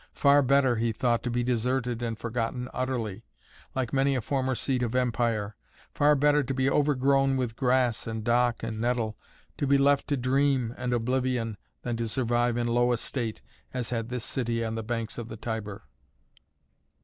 Far better, he thought, to be deserted and forgotten utterly, like many a former seat of empire, far better to be overgrown with grass and dock and nettle, to be left to dream and oblivion than to survive in low estate as had this city on the banks of the Tiber.